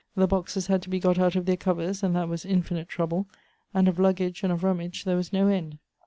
The boxes had to be got out of their covers, and that was infinite trouble ; and of luggage and of rummage there was no end.